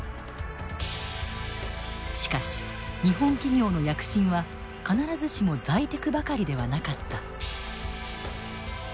しかし日本企業の躍進は必ずしも財テクばかりではなかった。